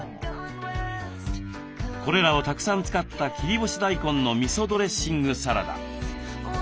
これらをたくさん使った切り干し大根のみそドレッシングサラダ。